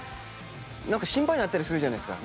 心配になったりするじゃないですか